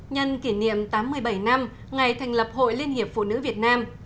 nhân kỷ niệm tám mươi bảy năm ngày thành lập hội liên hiệp phụ nữ việt nam